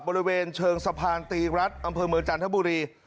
บริเวณเชิงสะพานตีรัฐอำเภอเมืองจันทบุรี